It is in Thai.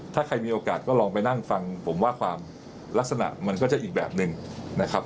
ถ้าใครมีโอกาสก็ลองไปนั่งฟังผมว่าความลักษณะมันก็จะอีกแบบหนึ่งนะครับ